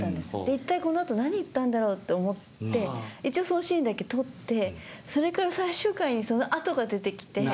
一体この後何言ったんだろう？って思って一応そのシーンだけ撮ってそれから最終回にその後が出て来て。